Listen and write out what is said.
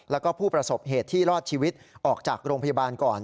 แล้วก็ผู้ประสบเหตุที่รอดชีวิตออกจากโรงพยาบาลก่อน